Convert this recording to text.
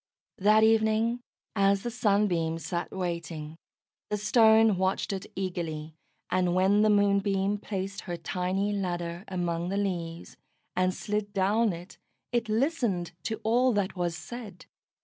That evening, as the Sunbeam sat waiting, the Stone watched it eagerly, and when the Moonbeam placed her tiny ladder among the leaves, and slid down it, it listened to all that was said.